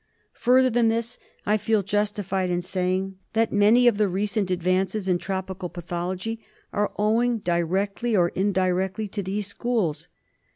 Further than this, I feel justified in saying that many of the recent advances in tropical pathology are owing directly or indirectly to these schools.